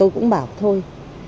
tôi cũng không bảo thôi